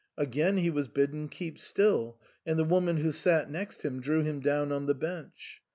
Again he was bidden keep still, and the woman who sat next him drew him down on the bench.